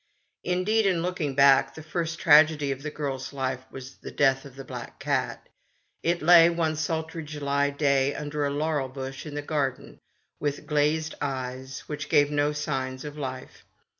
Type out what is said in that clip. Indeed, in looking back, the first tragedy of the child's life was the death of the black cat. It lay, one sultry July day, under a laurel bush in the garden, with glazed eyes which gave no signs of life.